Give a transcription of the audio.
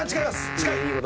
近い！